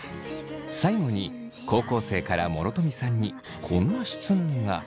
最後に高校生から諸富さんにこんな質問が。